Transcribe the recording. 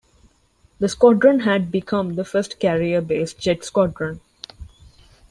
The squadron had become the first carrier-based jet squadron.